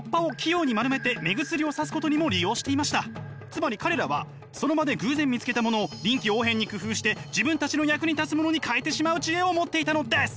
つまり彼らはその場で偶然見つけたものを臨機応変に工夫して自分たちの役に立つものに変えてしまう知恵を持っていたのです！